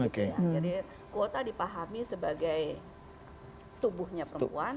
jadi kuota dipahami sebagai tubuhnya perempuan